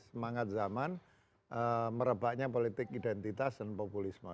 semangat zaman merebaknya politik identitas dan populisme